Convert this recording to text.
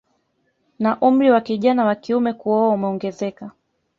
Na umri wa kijana wa kiume kuoa umeongezeka